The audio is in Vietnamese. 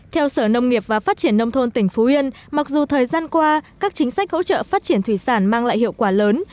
theo sở nông nghiệp và phát triển nông thôn tỉnh phú yên mặc dù thời gian qua các chính sách hỗ trợ phát triển thủy sản mang lại hiệu quả lớn